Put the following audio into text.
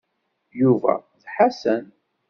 Yuba d Ḥasan.